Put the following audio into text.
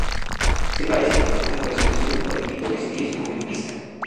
Se parece mucho a la persecución por equipos de ciclismo en pista.